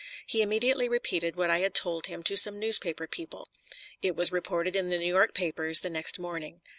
He immediately repeated what I had told him to some newspaper people. It was reported in the New York papers the next morning.